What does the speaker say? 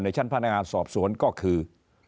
ชั้นพนักงานสอบสวนก็คือ